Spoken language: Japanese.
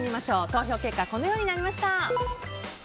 投票結果はこのようになりました。